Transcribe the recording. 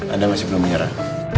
anda masih belum menyerah